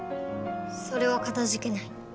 それはかたじけない。